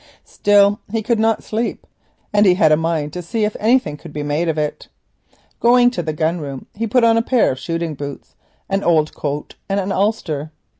Still he could not sleep, and he had a mind to see if anything could be made of it. Going to the gun room he put on a pair of shooting boots, an old coat, and an ulster.